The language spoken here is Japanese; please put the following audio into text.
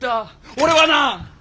俺はな！